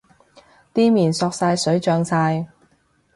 啲麵索晒水脹晒